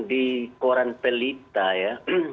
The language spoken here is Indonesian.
di koran pellita ya